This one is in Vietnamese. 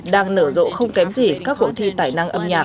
đang nở rộ không kém gì các cuộc thi tài năng